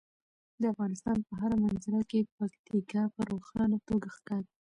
د افغانستان په هره منظره کې پکتیکا په روښانه توګه ښکاري.